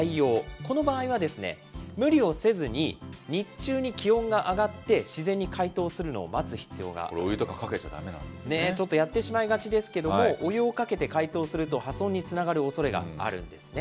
この場合は無理をせずに、日中に気温が上がって自然に解凍するのお湯とかかけちゃだめなんでちょっとやってしまいがちなんですけど、お湯をかけて解凍すると、破損につながるおそれがあるんですね。